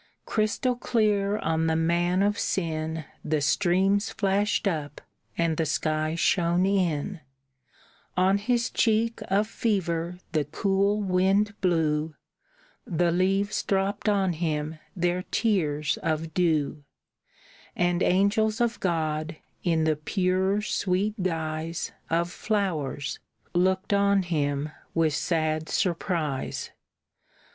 Crystal clear on the man of sin The streams flashed up, and the sky shone in; On his cheek of fever the cool wind blew, The leaves dropped on him their tears of dew, And angels of God, in the pure, sweet guise Of flowers, looked on him with sad surprise.